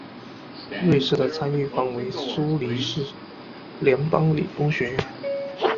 瑞士的参与方为苏黎世联邦理工学院。